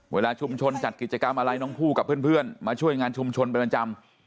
เวลาชุมชนจัดกิจกรรมอะไรน้องผู้กับเพื่อนมาช่วยงานชุมชนเป็นประจำ